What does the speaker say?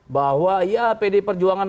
bahwa ya pdi perjuangan